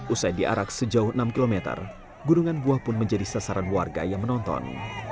usai diarak sejauh enam km gunungan buah pun menjadi sasaran warga yang menonton